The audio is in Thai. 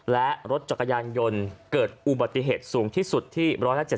และรถจักรยานยนต์เกิดอุบัติเหตุสูงที่สุดที่๑๗๐